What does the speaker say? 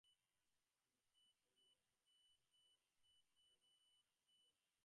ত্রাণ সংস্থাগুলো বলছে, আশ্রয়হীন হয়ে পড়া মানুষের জন্য জরুরি ত্রাণসহায়তা দরকার।